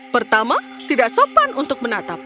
pertama tidak sopan untuk menatap